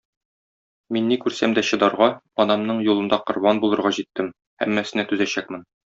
Мин ни күрсәм дә чыдарга, анамның юлында корбан булырга җиттем, һәммәсенә түзәчәкмен.